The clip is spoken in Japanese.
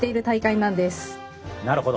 なるほど。